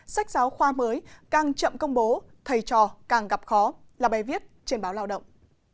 sách giáo khoa mới càng chậm công bố thầy trò càng gặp khó là bài viết trên báo lao động